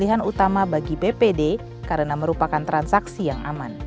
pilihan utama bagi bpd karena merupakan transaksi yang aman